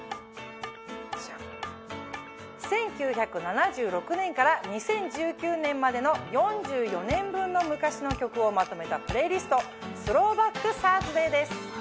１９７６年から２０１９年までの４４年分の昔の曲をまとめたプレイリスト「スローバックＴＨＵＲＳＤＡＹ」です。